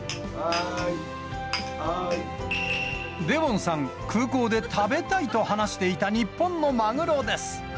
デヲォンさん、空港で食べたいと話していた日本のマグロです。